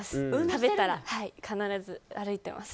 食べたら必ず歩いてます。